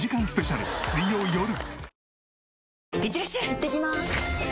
いってきます！